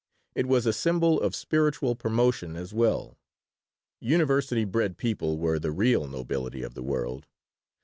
It was a symbol of spiritual promotion as well. University bred people were the real nobility of the world.